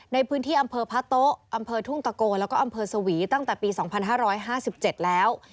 ในพื้นที่อำเภอพะโต๊ะอำเภอทุ่งตะโกแล้วก็อำเภอสวีตั้งแต่ปี๒๕๕๗แล้ว